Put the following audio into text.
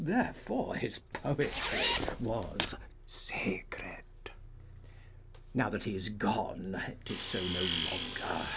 Therefore his poetry Was secret. Now that he is gone 'Tis so no longer.